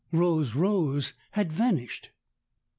Rose Rose had vanished.